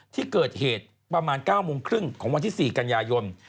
ที่เกิดเหตุประมาณ๙โมงครึ่งของวันที่๔กันยายน